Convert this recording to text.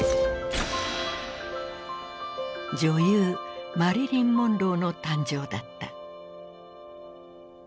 女優マリリン・モンローの誕生だった。